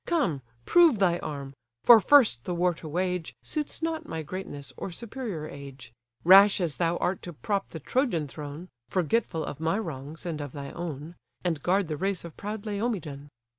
Come, prove thy arm! for first the war to wage, Suits not my greatness, or superior age: Rash as thou art to prop the Trojan throne, (Forgetful of my wrongs, and of thy own,) And guard the race of proud Laomedon!